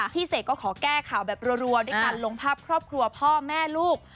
เสกก็ขอแก้ข่าวแบบรัวด้วยการลงภาพครอบครัวพ่อแม่ลูก